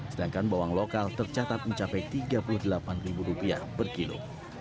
sedangkan bawang lokal tercatat mencapai tiga puluh delapan ribu rupiah per kilo